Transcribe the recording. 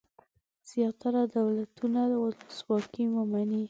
زیاتره دولتونه ولسواکي ومني.